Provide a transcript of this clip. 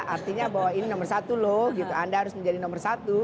artinya bahwa ini nomor satu loh anda harus menjadi nomor satu